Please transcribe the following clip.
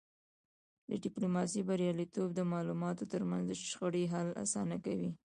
د ډیپلوماسی بریالیتوب د ملتونو ترمنځ د شخړو حل اسانه کوي.